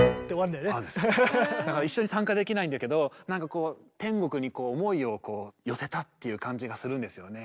だから一緒に参加できないんだけどなんかこう天国に思いをこう寄せたっていう感じがするんですよね。